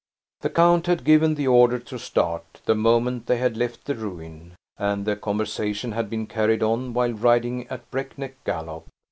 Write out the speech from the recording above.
The count had given the order to start, the moment they had left the ruin, and the conversation had been carried on while riding at a break neck gallop.